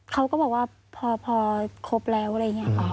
เขาก็บอกว่าพอครบแล้วอะไรอย่างนี้ค่ะ